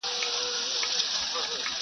بېا يى پۀ خيال كې پۀ سرو سونډو دنداسه وهله,